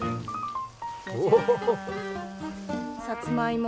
さつまいも！